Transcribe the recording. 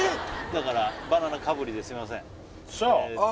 だからバナナかぶりですいませんああ